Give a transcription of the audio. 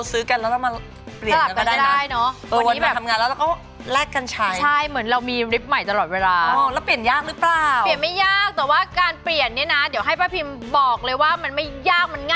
อืมแต่พูดถึงเราซื้อกันแล้วเรามาเปลี่ยนกันก็ได้นะ